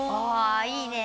いいね！